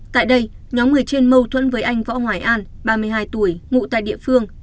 tại đây nhóm người trên mâu thuẫn với anh võ hoài an ba mươi hai tuổi ngụ tại địa phương